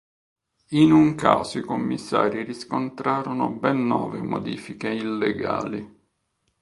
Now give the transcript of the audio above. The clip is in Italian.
In un caso i commissari riscontrarono ben nove modifiche illegali.